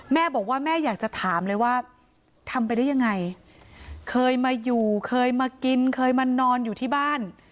แม่บอกว่าแม่อยากจะถามเลยว่าทำไปได้ยังไงเคยมาอยู่เคยมากินเคยมานอนอยู่ที่บ้าน